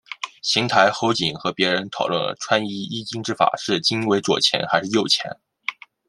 行台侯景和别人讨论穿衣衣襟之法是襟为左前还是右前。